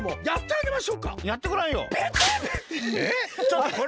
えっちょっとこれ。